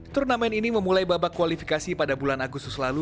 turnamen ini memulai babak kualifikasi pada bulan agustus lalu